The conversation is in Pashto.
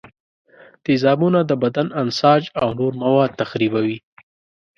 تیزابونه د بدن انساج او نور مواد تخریبوي.